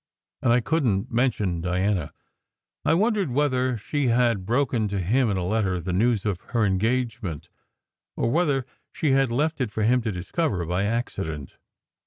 And I couldn t mention Diana. I wondered whether she had broken to him in a letter the news of her engagement, or whether she had left it for him to discover by accident.